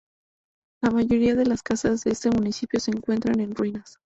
La mayoría de las casas de este municipio se encuentran en ruinas.